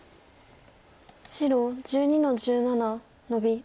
白１２の十七ノビ。